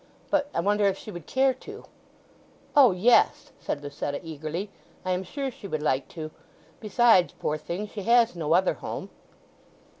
"But I wonder if she would care to?" "O yes!" said Lucetta eagerly. "I am sure she would like to. Besides, poor thing, she has no other home."